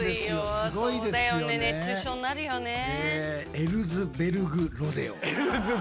エルズベルグロデオ。